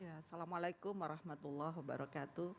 assalamualaikum warahmatullahi wabarakatuh